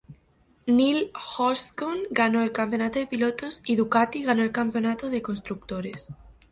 Neil Hodgson ganó el campeonato de pilotos y Ducati ganó el campeonato de constructores.